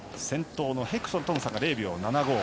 先頭のヘクトルとの差が０秒７５。